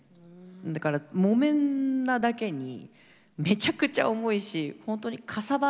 だから木綿なだけにめちゃくちゃ重いし本当にかさばるんですよね。